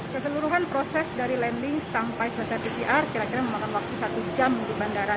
keseluruhan proses dari landing sampai selesai pcr kira kira memakan waktu satu jam di bandara